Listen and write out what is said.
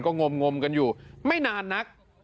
ก็งงงงงงงงกันอยู่ไม่นานนัก